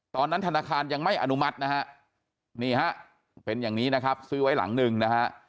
ตอนนั้นธนาคารยังไม่อนุมัตินะฮะนี่ฮะเป็นอย่างนี้นะครับซื้อไว้หลังหนึ่งนะฮะ